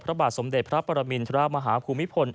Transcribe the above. พระบาทสมเด็จพระปรมินทรมาฮาภูมิพล